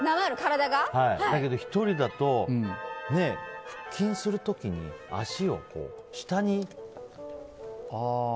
だけど、１人だと腹筋する時に足を下に。